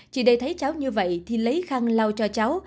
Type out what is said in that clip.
chị đê thấy cháu như vậy thì lấy khăn lau cho cháu